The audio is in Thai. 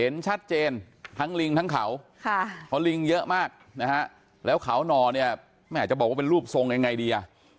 แล้วเขาหน่อไม่อาจจะบอกว่าเป็นรูปทรงยังไงดี